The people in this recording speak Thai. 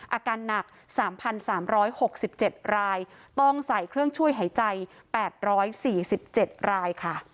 อาการหนัก๓๓๖๗รายต้องใส่เครื่องช่วยหายใจ๘๔๗รายค่ะ